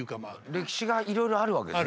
歴史がいろいろあるわけですね。